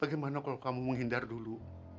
bagaimana kalau kamu menghindar dulu